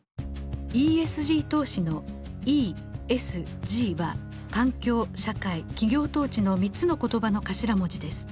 ＥＳＧ投資のＥＳＧは環境社会企業統治の３つの言葉の頭文字です。